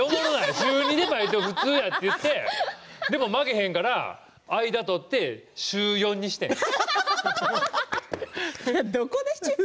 週２でバイトって普通にやっていたら負けへんから間を取って週４にしたねん。